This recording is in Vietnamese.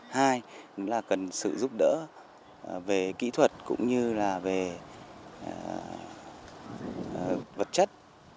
hai là cần sự giúp đỡ về kỹ thuật cũng như là về vật chất